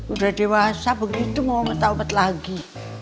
udah dewasa begitu mau peta umpet lagi